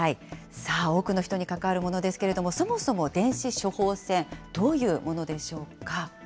さあ、多くの人に関わるものですけれども、そもそも電子処方箋、どういうものでしょうか。